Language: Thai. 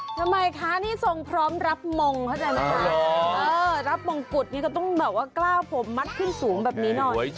ทำไมคะนี่ทรงพร้อมรับมงรับมงกุฎก็ต้องแบบว่ากล้าวผมมัดขึ้นสูงแบบนี้นอน